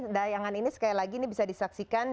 dayangan ini sekali lagi bisa disaksikan